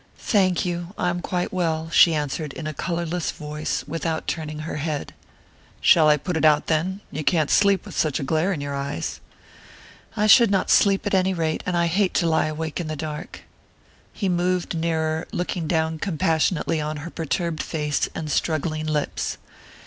"Thank you I am quite well," she answered in a colourless voice, without turning her head. "Shall I put it out, then? You can't sleep with such a glare in your eyes." "I should not sleep at any rate; and I hate to lie awake in the dark." "Why shouldn't you sleep?" He moved nearer, looking down compassionately on her perturbed face and struggling lips.